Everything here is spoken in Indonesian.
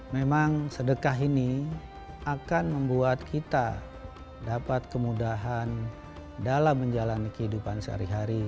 memang sedekah ini akan membuat kita dapat kemudahan dalam menjalani kehidupan sehari hari